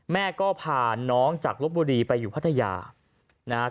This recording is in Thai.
แม่ก็พาน้องจากลบบุรีไปอยู่พระทะยา